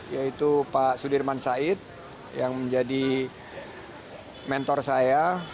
yaitu pak sudirman said yang menjadi mentor saya